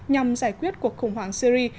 nhằm giải quyết cuộc khủng hoảng syria